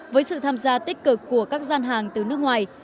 với sự tham gia tích cực của các gian hàng từ nước ngoài